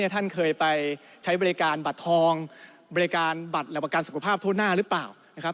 ท่านเคยไปใช้บริการบัตรทองบริการบัตรระบังกันสุขภาพโทษน่าหรือเปล่า